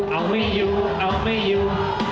เอาไม่อยู่เอาไม่อยู่